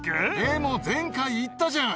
でも前回、言ったじゃん！